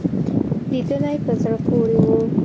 لیدلې په زړه پورې وو.